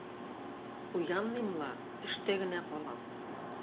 Уянмыйм ла, төштә генә калам.